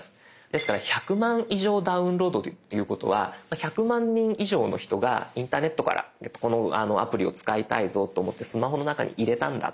ですから１００万以上ダウンロードということは１００万人以上の人がインターネットからこのアプリを使いたいぞと思ってスマホの中に入れたんだ